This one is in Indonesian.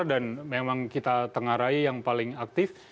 yang paling besar dan memang kita tengah rai yang paling aktif